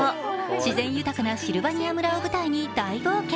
自然豊かなシルバニア村を舞台に大冒険。